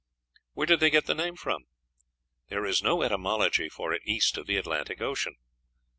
Where did they get the name from? There is no etymology for it east of the Atlantic Ocean.